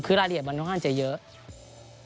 คือรายละเอียดมันค่อนข้างจะเยอะ